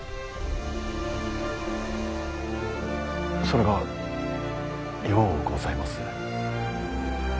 それがようございます。